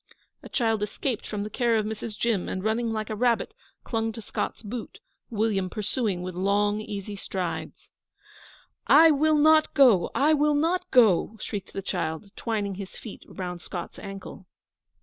A child escaped from the care of Mrs. Jim, and, running like a rabbit, clung to Scott's boot, William pursuing with long, easy strides. 'I will not go I will not go!' shrieked the child, twining his feet round Scott's ankle.